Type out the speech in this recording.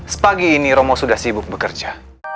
sepagi ini romo sudah sibuk bekerja